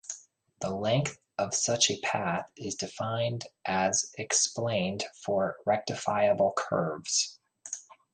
The "length" of such a path is defined as explained for rectifiable curves.